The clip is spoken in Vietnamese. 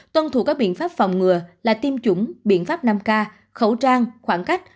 tuân thủ các biện pháp phòng ngừa là tiêm chủng biện pháp năm k khẩu trang khoảng cách